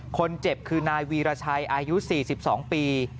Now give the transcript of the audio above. คนเจ็บคือนายวีรชัยอายุ๔๒ปี